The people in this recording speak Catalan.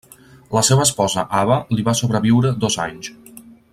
La seva esposa Ava li va sobreviure dos anys.